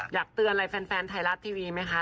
อยากเตือนอะไรแฟนไทยรัฐทีวีไหมคะ